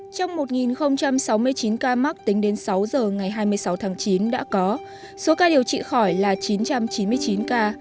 trong một sáu mươi chín ca mắc tính đến sáu giờ ngày hai mươi sáu tháng chín đã có số ca điều trị khỏi là chín trăm chín mươi chín ca